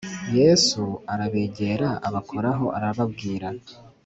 Yesu Arabegera Abakoraho Arababwira